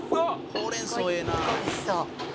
「ほうれん草ええな」